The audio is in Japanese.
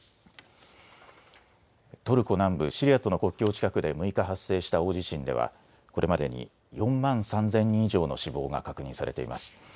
トルコ南部、シリアとの国境近くで６日、発生した大地震ではこれまでに４万３０００人以上の死亡が確認されています。